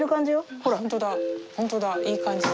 ほんとだいい感じだ。